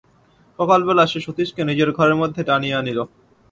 সকালবেলা সে সতীশকে নিজের ঘরের মধ্যে টানিয়া আনিল।